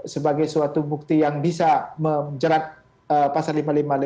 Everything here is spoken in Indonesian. sebagai suatu bukti yang bisa menjerat pasal lima ribu lima ratus lima puluh enam